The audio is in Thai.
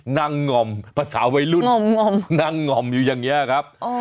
นั่งหง่อมภาษาวัยรุ่นหง่อมหง่อมนั่งหง่อมอยู่อย่างเงี้ยครับอ้อ